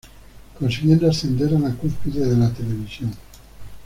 Consiguiendo ascender a la cúspide de la televisión.